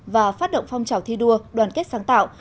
và phát động phong trào thi đua đoàn kết sáng tạo